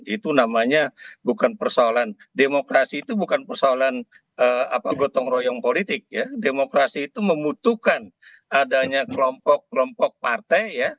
itu namanya bukan persoalan demokrasi itu bukan persoalan gotong royong politik ya demokrasi itu membutuhkan adanya kelompok kelompok partai ya